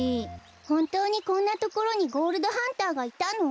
ほんとうにこんなところにゴールドハンターがいたの？